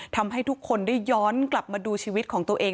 ทำให้ทุกคนได้ย้อนกลับมาดูชีวิตของตัวเอง